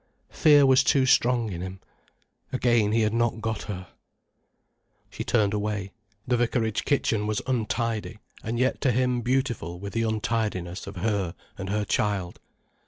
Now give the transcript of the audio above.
Fear was too strong in him. Again he had not got her. She turned away. The vicarage kitchen was untidy, and yet to him beautiful with the untidiness of her and her child.